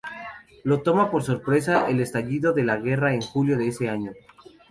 Lo toma por sorpresa el estallido de la guerra en julio de ese año.